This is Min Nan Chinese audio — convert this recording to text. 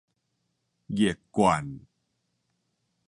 熱貫